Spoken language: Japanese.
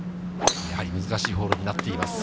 やはり難しいホールになっています。